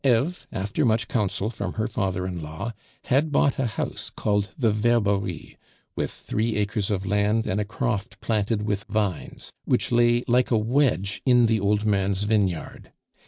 Eve, after much counsel from her father in law, had bought a house called the Verberie, with three acres of land and a croft planted with vines, which lay like a wedge in the old man's vineyard.